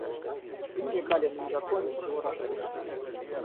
Намекали на незаконность его рождения.